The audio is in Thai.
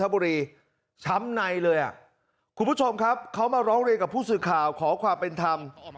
บุรีช้ำในเลยอ่ะคุณผู้ชมครับเขามาร้องเรียนกับผู้สื่อข่าวขอความเป็นธรรม